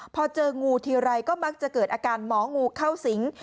พอเจองูทีไรก็มักจะเกิดอาการหมองูเข้าสิง